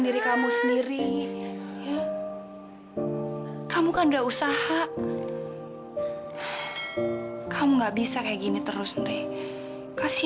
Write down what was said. nggak ada dewi